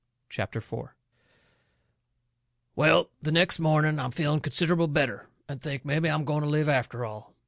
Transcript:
CHAPTER IV Well, the next morning I'm feeling considerable better, and think mebby I'm going to live after all.